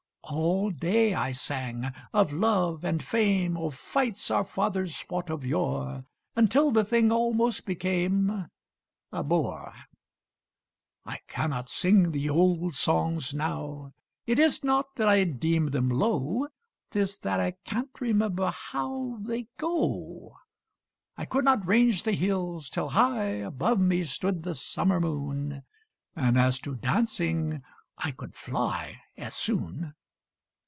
All day I sang; of love and fame, Of fights our fathers fought of yore, Until the thing almost became A bore. I cannot sing the old songs now! It is not that I deem them low; 'Tis that I can't remember how They go. I could not range the hills till high Above me stood the summer moon: And as to dancing, I could fly As soon.